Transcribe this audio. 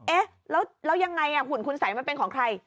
เอ๊ะแล้วยังไงหุ่นคุณสัยมันเป็นของใคร